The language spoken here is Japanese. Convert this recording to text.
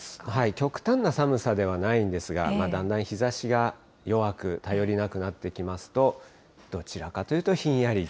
極端な寒さではないんですが、だんだん日ざしが弱く、頼りなくなってきますと、どちらかというとひんやり。